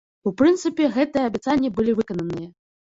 У прынцыпе, гэтыя абяцанні былі выкананыя.